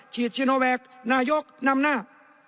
ซีโนแวคนายกนำหน้า